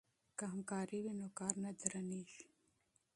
که همکاري وي نو کار نه درنیږي.